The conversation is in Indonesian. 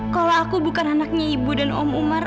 kalau aku bukan anaknya ibu dan om umar